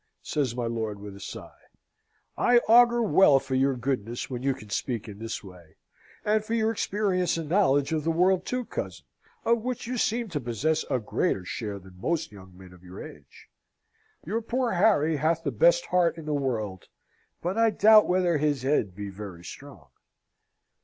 says my lord with a sigh. "I augur well for your goodness when you can speak in this way, and for your experience and knowledge of the world, too, cousin, of which you seem to possess a greater share than most young men of your age. Your poor Harry hath the best heart in the world; but I doubt whether his head be very strong."